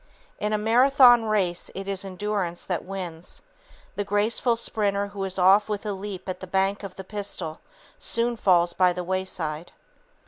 In a Marathon race it is endurance that wins. The graceful sprinter who is off with a leap at the bark of the pistol soon falls by the wayside.